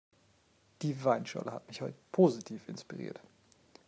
Die Weinschorle hat mich heute positiv inspiriert.